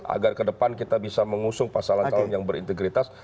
agar ke depan kita bisa mengusung pasangan calon yang berintegritas